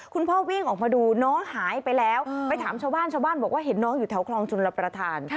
คุณพ่อวิ่งออกมาดูน้องหายไปแล้วไปถามชาวบ้านชาวบ้านบอกว่าเห็นน้องอยู่แถวคลองชุลประธาน